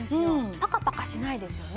パカパカしないですよね。